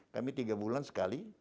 kami tiga bulan sekali